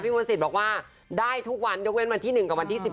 มนศิษย์บอกว่าได้ทุกวันยกเว้นวันที่๑กับวันที่๑๘